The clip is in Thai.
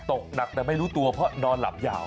ตกหนักแต่ไม่รู้ตัวเพราะนอนหลับยาว